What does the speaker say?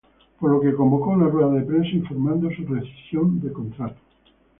Por lo que convocó una rueda de prensa informando su rescisión de contrato.